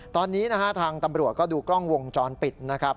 ตอนนี้นะฮะทางตำรวจก็ดูกล้องวงจรปิดนะครับ